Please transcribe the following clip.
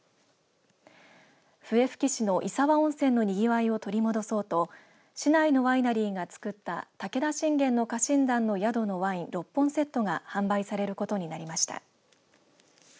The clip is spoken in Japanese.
笛吹市の石和温泉のにぎわいを取り戻そうと市内のワイナリーが造った武田信玄の家臣団の宿のワイン６本セットが販売されることになりました。